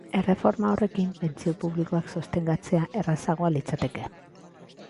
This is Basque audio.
Erreforma horrekin, pentsio publikoak sostengatzea errazagoa litzateke.